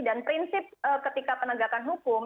dan prinsip ketika penegakan hukum